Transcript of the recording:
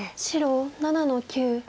白７の九。